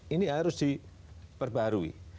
ini harus diperbarui